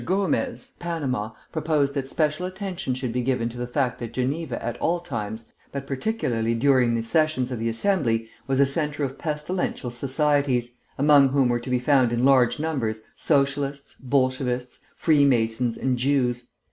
Gomez (Panama) proposed that special attention should be given to the fact that Geneva at all times, but particularly during the sessions of the Assembly, was a centre of pestilential societies, among whom were to be found in large numbers Socialists, Bolshevists, Freemasons, and Jews.